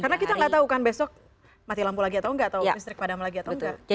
karena kita gak tahu kan besok mati lampu lagi atau enggak atau listrik padam lagi atau enggak